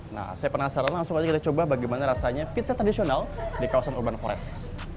nah saya penasaran langsung aja kita coba bagaimana rasanya pizza tradisional di kawasan urban forest